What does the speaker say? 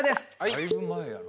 だいぶ前やな。